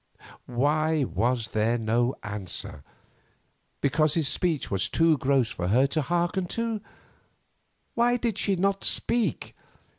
Why was there no answer? Because his speech was too gross for her to hearken to? Why did she not speak?